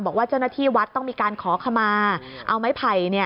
บอกว่าเจ้าหน้าที่วัดต้องมีการขอขมาเอาไม้ไผ่